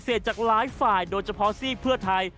โปรดติดตามตอนต่อไป